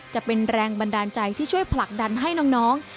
จะเป็นแรงบันดาลใจที่ช่วยผลักดันให้น้อง